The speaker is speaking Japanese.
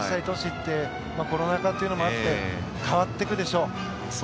都市ってコロナ禍というのもあって変わっていくでしょう。